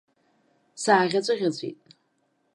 Сааӷьаҵәыӷьаҵәит.